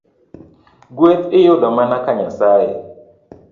Gweth iyudo mana ka Nyasaye